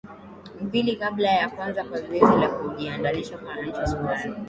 mbili kabla ya kuanza kwa zoezi la kujiandikisha kwa wananchi wa sudan